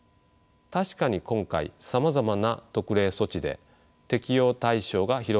確かに今回さまざまな特例措置で適用対象が広げられました。